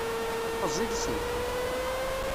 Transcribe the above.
Ffeẓ iles-ik!